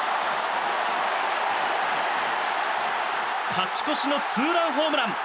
勝ち越しのツーランホームラン！